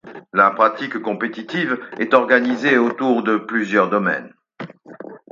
La pratique compétitive est organisée autour de plusieurs domaines.